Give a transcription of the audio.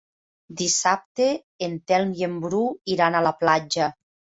Dissabte en Telm i en Bru iran a la platja.